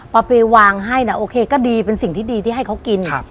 พอไปวางให้นะโอเคก็ดีเป็นสิ่งที่ดีที่ให้เขากิน